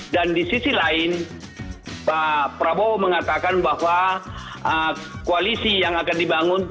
dan di sisi lain pak prabowo mengatakan bahwa koalisi yang akan dibangun